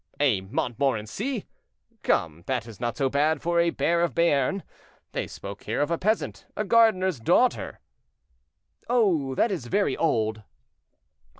"A Montmorency. Come, that is not so bad for a bear of Béarn. They spoke here of a peasant, a gardener's daughter." "Oh! that is very old."